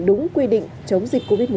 đúng quy định chống dịch covid một mươi chín